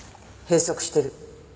閉塞してる。